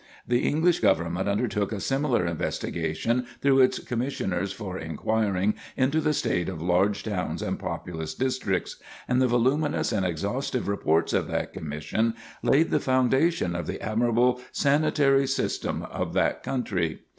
The English Government undertook a similar investigation through its "Commissioners for Inquiring into the State of Large Towns and Populous Districts," and the voluminous and exhaustive reports of that Commission laid the foundation of the admirable sanitary system of that country.